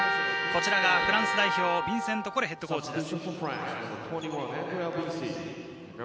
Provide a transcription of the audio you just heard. こちらがヴィンセント・コレヘッドコーチです。